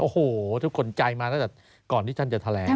โอ้โหทุกคนใจมาก่อนที่ท่านจะแถลง